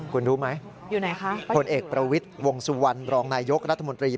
คุณรู้ไหมอยู่ไหนคะผลเอกประวิทย์วงสุวรรณรองนายยกรัฐมนตรี